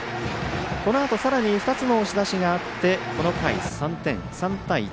このあとさらに２つの押し出しがあってこの回、３点、３対１。